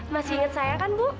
masih ingat saya kan bu